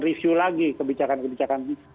review lagi kebijakan kebijakan